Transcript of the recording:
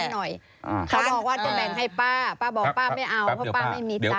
เขาบอกว่าจะแบ่งให้ป้าป้าบอกป้าไม่เอาเพราะป้าไม่มีจันท